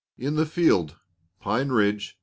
In the Field, Pine Ridge, S.